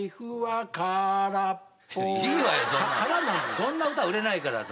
そんな歌売れないからさ。